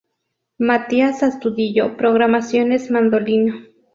Matías Astudillo: Programaciones, mandolina.